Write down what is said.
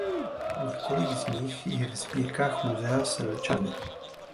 Několik z nich je ve sbírkách muzea Sedlčany.